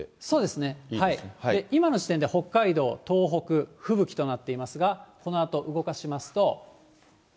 そうですね、今の時点では北海道、東北、吹雪となっていますが、このあと動かしますと。